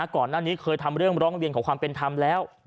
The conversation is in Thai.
ก่อนหน้านี้เคยทำเรื่องร้องเรียนขอความเป็นธรรมแล้ว